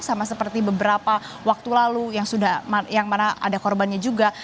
sama seperti beberapa waktu lalu yang sudah yang mana ada korbannya juga